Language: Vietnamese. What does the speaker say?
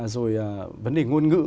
rồi vấn đề ngôn ngữ